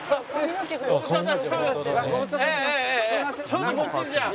ちょっとこっちでじゃあ。